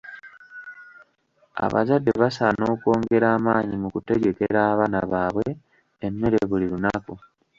Abazadde basaana okwongera amaanyi mu kutegekera abaana baabwe emmere buli lunaku.